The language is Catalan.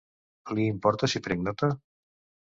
Li importa si prenc nota?